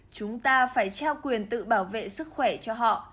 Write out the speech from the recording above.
chúng ta phải trao quyền tự bảo vệ sức khỏe cho họ